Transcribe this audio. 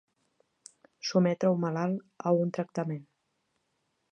Sotmetre un malalt a un tractament.